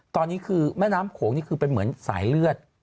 ตอนนี้คือแม่น้ำโขงนี่คือเป็นเหมือนสายเลือด